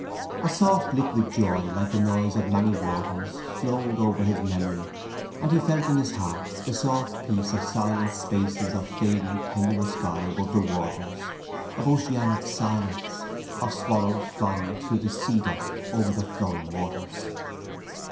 A soft liquid joy like the noise of many waters flowed over his memory and he felt in his heart the soft peace of silent spaces of fading tenuous sky above the waters, of oceanic silence, of swallows flying through the seadusk over the flowing waters.